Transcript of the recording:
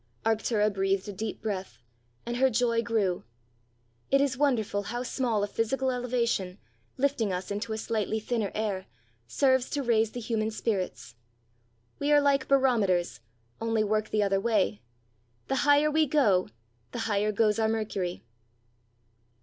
Arctura breathed a deep breath, and her joy grew. It is wonderful how small a physical elevation, lifting us into a slightly thinner air, serves to raise the human spirits! We are like barometers, only work the other way; the higher we go, the higher goes our mercury.